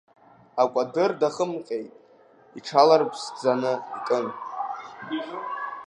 Акәадыр дахымҟьеит, иҽаларԥсӡаны икын…